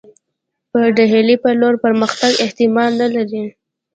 پر ډهلي پر لور پرمختګ احتمال نه لري.